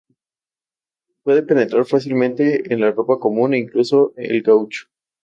Puede penetrar fácilmente en la ropa común, e incluso el caucho.